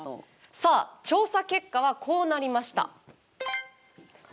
さあ調査結果はこうなりました。